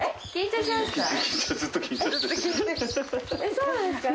そうなんですか？